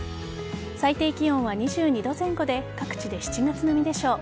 最低気温は２２度前後で各地で７月並みでしょう。